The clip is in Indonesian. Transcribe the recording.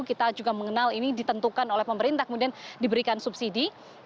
kita juga mengenal ini ditentukan oleh pemerintah kemudian diberikan subsidi